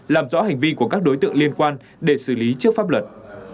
làm rõ hành vi của các đối tượng liên quan để xử lý trước pháp luật